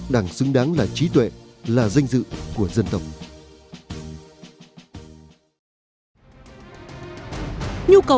đảng xứng đáng là trí tuệ là danh dự của dân tộc